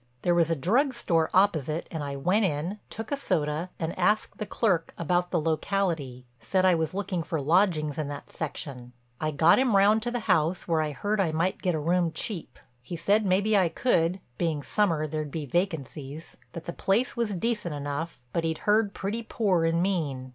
"There was a drug store right opposite and I went in, took a soda, and asked the clerk about the locality—said I was looking for lodgings in that section. I got him round to the house, where I heard I might get a room cheap. He said maybe I could—being summer there'd be vacancies—that the place was decent enough, but he'd heard pretty poor and mean.